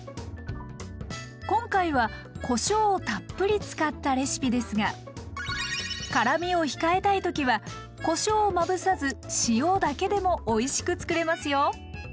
今回はこしょうをたっぷり使ったレシピですが辛みを控えたいときはこしょうをまぶさず塩だけでもおいしくつくれますよ。